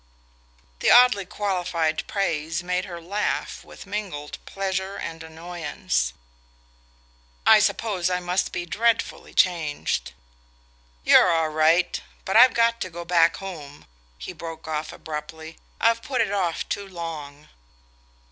The oddly qualified praise made her laugh with mingled pleasure and annoyance. "I suppose I must be dreadfully changed " "You're all right! But I've got to go back home," he broke off abruptly. "I've put it off too long."